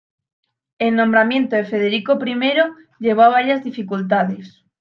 El nombramiento de Federico I llevó a varias dificultades.